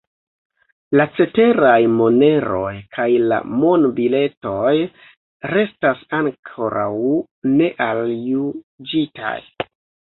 La ceteraj moneroj kaj la monbiletoj restas ankoraŭ nealjuĝitaj.